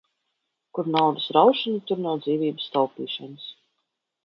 Kur naudas raušana, tur nav dzīvības taupīšanas.